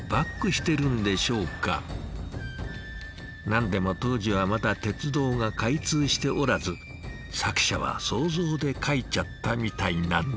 何でも当時はまだ鉄道が開通しておらず作者は想像で描いちゃったみたいなんです。